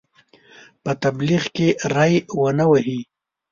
په تبلیغ کې ری ونه وهي.